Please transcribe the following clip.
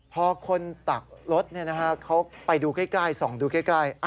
พอคนตักรถเนี่ยนะฮะเขาไปดูใกล้ส่องดูใกล้